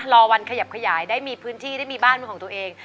รอวันขยับขยายได้มีพื้นที่ได้มีบ้านเป็นของตัวเอง